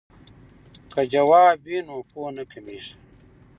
که ځواب وي نو پوهه نه کمېږي.